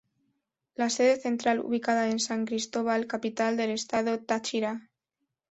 La sede central ubicada en San Cristóbal capital del estado Táchira.